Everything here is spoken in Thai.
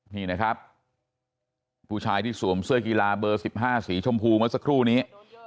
นี่นะครับผู้ชายที่สวมเสื้อกีฬาเบอร์๑๕สีชมพูเมื่อสักครู่นี้